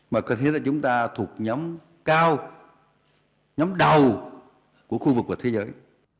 mà có thể là chúng ta thuộc nhóm cao nhóm đầu của khu vực và thế giới